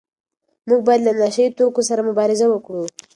موږ باید له نشه يي توکو سره مبارزه وکړو.